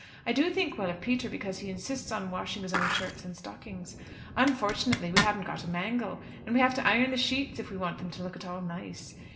I do think well of Peter because he insists on washing his own shirts and stockings. Unfortunately we haven't got a mangle, and we have to iron the sheets if we want them to look at all nice.